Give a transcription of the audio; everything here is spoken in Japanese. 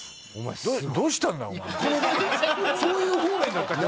そういう方面だったっけ。